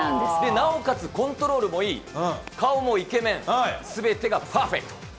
なおかつ、コントロールもいい、顔もイケメン、すべてがパーフェクト。